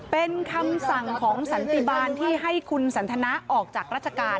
เป็นคำสั่งของสันติบาลที่ให้คุณสันทนาออกจากราชการ